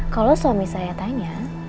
kalau suami saya tanya